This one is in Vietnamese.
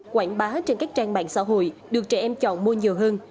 quảng bá trên các trang mạng xã hội được trẻ em chọn mua nhiều hơn